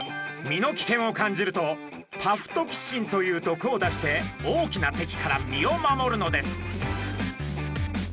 身の危険を感じるとパフトキシンという毒を出して大きな敵から身を守るのです。